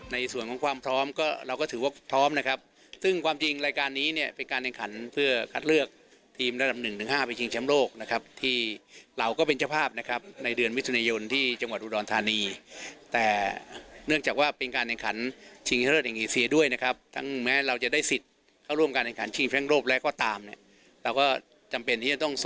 ในส่วนของความพร้อมก็เราก็ถือว่าพร้อมนะครับซึ่งความจริงรายการนี้เนี้ยเป็นการแห่งขันเพื่อคัดเลือกทีมระดำหนึ่งถึงห้าไปชิงแชมป์โลกนะครับที่เราก็เป็นเจ้าภาพนะครับในเดือนมิถุนายนที่จังหวัดอุดรธานีแต่เนื่องจากว่าเป็นการแห่งขันชิงแชมป์โลกอย่างเอเซียด้วยนะครับทั้งแม้เราจะได้ส